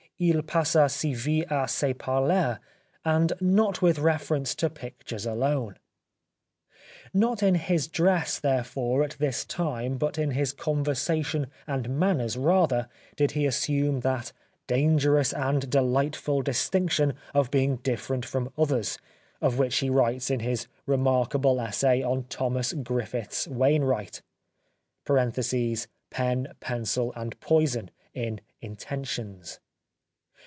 // passu sa vie a se parley^ and not with reference to pictures alone. Not in his dress, therefore, at that time, but in his conversation and manners rather did he assume that " dangerous and delightful dis tinction of being different from others," of which he writes in his remarkable essay on Thomas Griffiths Wainewright ("Pen, Pencil, and Poison," in " Intentions").